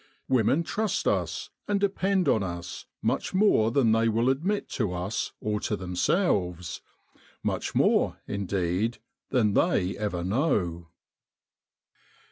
Women trust us, and depend on us, much more than they will admit to us or to themselves much more, indeed, than they ever know."